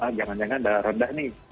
ah jangan jangan rendah nih